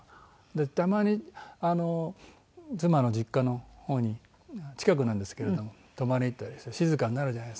たまに妻の実家の方に近くなんですけれども泊まりに行ったりすると静かになるじゃないですか。